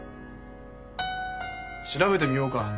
調べてみようか？